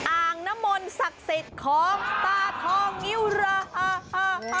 อ่างนมลศักษิษฐ์ของสตาทองิวรัฐ